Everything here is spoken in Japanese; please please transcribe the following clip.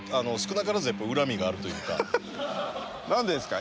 何でですか。